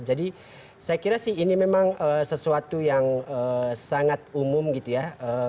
jadi saya kira sih ini memang sesuatu yang sangat umum gitu ya